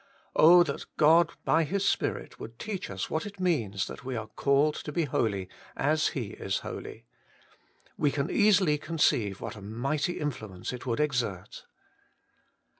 Oh ! that God by His Spirit would teach us what it means that we are called to be holy as He is holy. We can easily conceive what a mighty influence it would exert.